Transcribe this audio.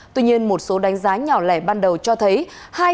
tuy nhiên một số đánh giá nhỏ lẻ ban đầu cho thấy